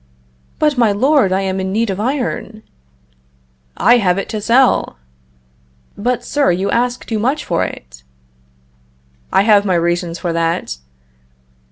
"But, my lord, I am in need of iron." "I have it to sell." "But, sir, you ask too much for it." "I have my reasons for that."